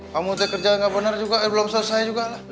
kamu t kerja gak benar juga eh belum selesai juga lah